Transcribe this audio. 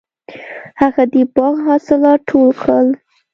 هغه د باغ حاصلات ټول کړل.